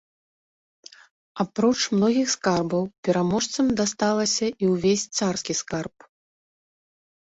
Апроч многіх скарбаў пераможцам дасталася і ўвесь царскі скарб.